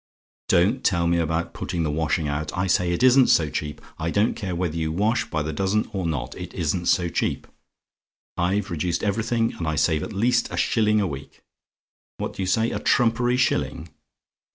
"Don't tell me about putting the washing out. I say it isn't so cheap I don't care whether you wash by the dozen or not it isn't so cheap; I've reduced everything, and I save at least a shilling a week. What do you say? "A TRUMPERY SHILLING?